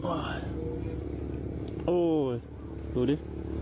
โอ้ยดูดิ